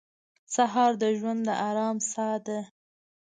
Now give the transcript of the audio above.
سهار د ژوند د ارام ساه ده.